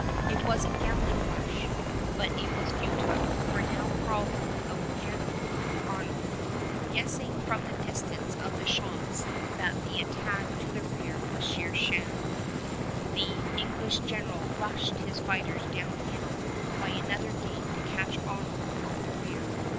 It was a gallant rush, but it was futile, for now Carleton outgeneraled Arnold. Guessing from the distance of the shots that the attack to the rear was sheer sham, the English general rushed his fighters downhill by another gate to catch Arnold on the rear.